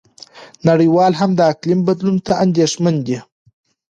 نړیوال هم د اقلیم بدلون ته اندېښمن دي.